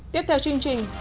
tiếp theo chương trình